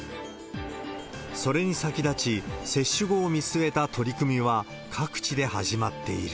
それに先立ち、接種後を見据えた取り組みは各地で始まっている。